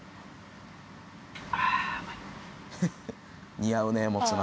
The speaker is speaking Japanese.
似合うねもつ鍋。